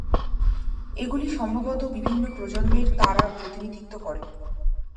এগুলি সম্ভবত বিভিন্ন প্রজন্মের তারার প্রতিনিধিত্ব করে।